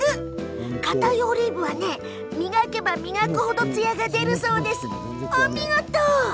かたいオリーブは磨けば磨くほどツヤが出るそうです。